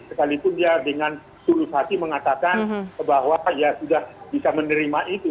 sekalipun dia dengan tulus hati mengatakan bahwa ya sudah bisa menerima itu